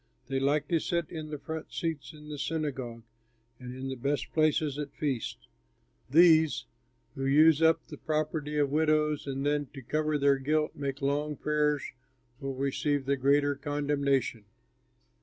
They like to sit in the front seats in the synagogue and in the best places at feasts. These, who use up the property of widows and then to cover their guilt make long prayers, will receive the greater condemnation."